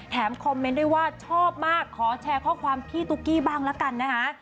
คอมเมนต์ด้วยว่าชอบมากขอแชร์ข้อความพี่ตุ๊กกี้บ้างละกันนะคะ